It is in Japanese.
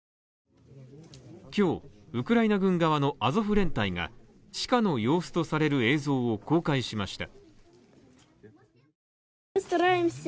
今日、ウクライナ軍側のアゾフ連隊が、地下の様子とされる映像を公開しました。